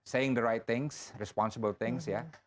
menulis hal hal yang benar hal yang bertanggung jawab